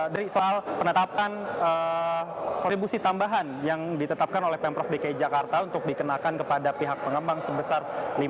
dari soal penetapan kontribusi tambahan yang ditetapkan oleh pemprov dki jakarta untuk dikenakan kepada pihak pengembang sebesar